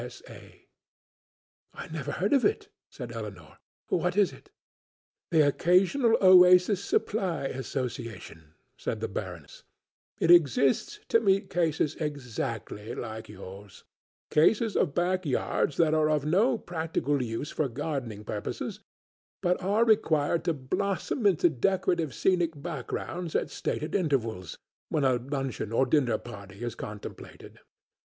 O.S.A." "Never heard of it," said Elinor; "what is it?" "The Occasional Oasis Supply Association," said the Baroness; "it exists to meet cases exactly like yours, cases of backyards that are of no practical use for gardening purposes, but are required to blossom into decorative scenic backgrounds at stated intervals, when a luncheon or dinner party is contemplated.